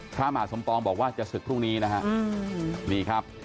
พระมหาสมปองบอกว่าจะศึกพรุ่งนี้นะฮะนี่ครับ